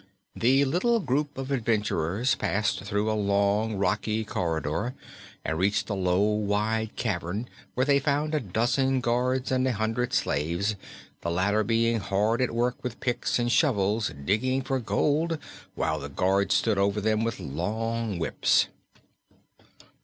The little group of adventurers passed through a long rocky corridor and reached a low, wide cavern where they found a dozen guards and a hundred slaves, the latter being hard at work with picks and shovels digging for gold, while the guards stood over them with long whips.